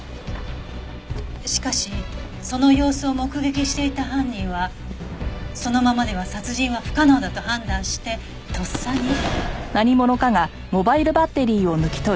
しかしその様子を目撃していた犯人はそのままでは殺人は不可能だと判断してとっさに。